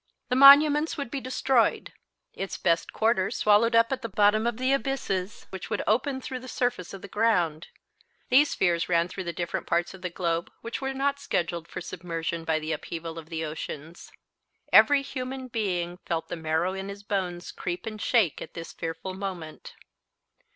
The monuments would be destroyed; its best quarters swallowed up at the bottom of the abysses which would open through the surface of the ground. These fears ran through the different parts of the globe which were not scheduled for submersion by the upheaval of the oceans. Every human being felt the marrow in his bones creep and shake at this fearful moment.